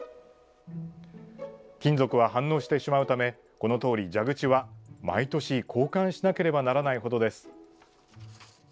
金属は反応してしまうためこのとおり、蛇口は毎年交換しなければならないほどです。